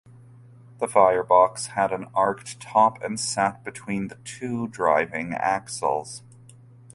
The firebox had an arced top and sat between the two driving axles.